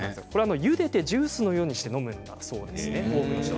ゆでてジュースのようにして飲むということです。